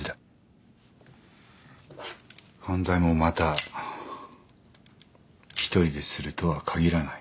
犯罪もまた一人でするとは限らない。